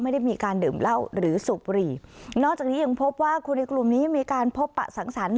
ไม่ได้มีการดื่มเหล้าหรือสูบบุหรี่นอกจากนี้ยังพบว่าคนในกลุ่มนี้มีการพบปะสังสรรค